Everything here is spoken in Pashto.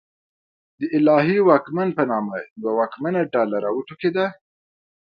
د الهي واکمن په نامه یوه واکمنه ډله راوټوکېده.